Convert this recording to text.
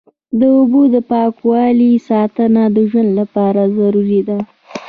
د اوبو د پاکوالي ساتنه د ژوند لپاره ضروري ده.